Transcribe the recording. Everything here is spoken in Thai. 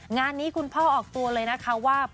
งานนี้คุณพ่อออกตัวเลยนะคะว่า